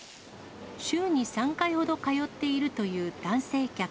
週に３回ほど通っているという男性客。